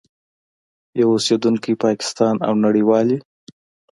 یو اوسېدونکی پاکستان او نړیوالي